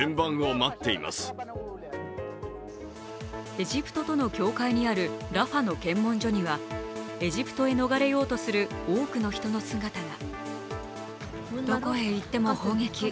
エジプトとの境界にあるラファの検問所にはエジプトへ逃れようとする多くの人の姿が。